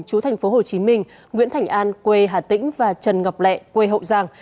chú thành phố hồ chí minh nguyễn thành an quê hà tĩnh và trần ngọc lẹ quê hậu giang